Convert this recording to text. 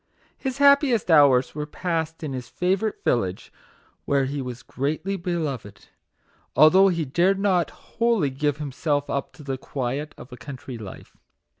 His hap piest hours were passed in his favourite village, where he was greatly beloved, although he dared not wholly give himself up to the quiet of a country life.